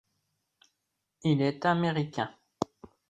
Il est américain.